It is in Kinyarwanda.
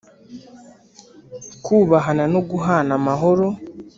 Kubahana no guhana amahoro